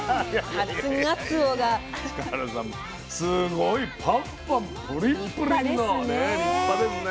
すごいパンパンブリッブリの立派ですね。